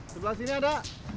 sebelah sini ada